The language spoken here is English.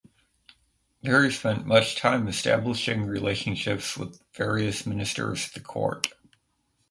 There he spent much time establishing relationships with various ministers at the court.